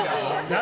何？